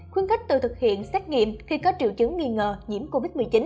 khuyến khích tự thực hiện xét nghiệm khi có triệu chứng nghi ngờ nhiễm covid một mươi chín